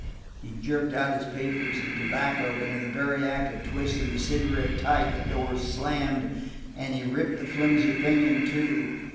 He jerked out his papers and tobacco, but in the very act of twisting the cigarette tight the door slammed and he ripped the flimsy thing in two.